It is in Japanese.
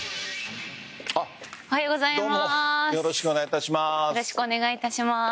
おはようございます。